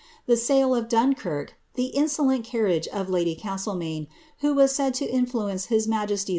The sale of Dunkirk, tlie insolent carriage of ladv Castlemaine, who was said to influence his majestj*!